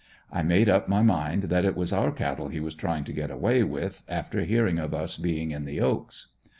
I made up my mind that it was our cattle he was trying to get away with, after hearing of us being in the "Oaks."